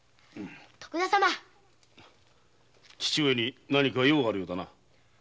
父上に何か用があるようだな。